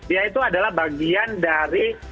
yaitu adalah bagian dari